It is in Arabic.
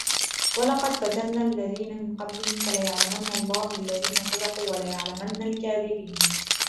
وَلَقَدْ فَتَنَّا الَّذِينَ مِنْ قَبْلِهِمْ فَلَيَعْلَمَنَّ اللَّهُ الَّذِينَ صَدَقُوا وَلَيَعْلَمَنَّ الْكَاذِبِينَ